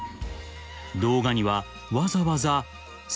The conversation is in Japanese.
［動画にはわざわざ］